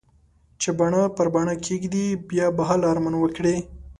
چې باڼه پر باڼه کېږدې؛ بيا به هله ارمان وکړې.